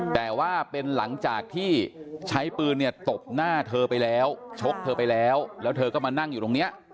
แต่ว่าเป็นหลังจากที่ใช้ปืนเนี่ยตบหน้าเธอไปแล้วชกเธอไปแล้วแล้วเธอก็มานั่งอยู่ตรงนี้